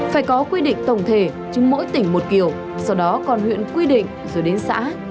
phải có quy định tổng thể chứ mỗi tỉnh một kiểu sau đó còn huyện quy định rồi đến xã